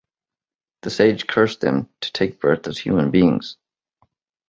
The sage cursed them to take birth as human beings.